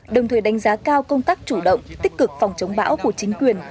đồng thời đánh giá cao công tác chủ động tích cực phòng chống bão của chính quyền